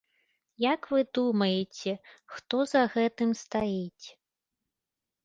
Як вы думаеце, хто за гэтым стаіць?